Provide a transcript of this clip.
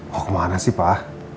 mau kemana sih pak